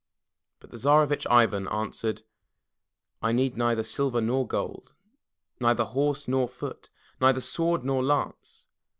*' But the Tsarevitch Ivan answered: "I need neither silver nor gold, neither horse nor foot, neither sword nor lance.